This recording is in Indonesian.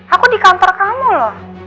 aku di kantor kamu loh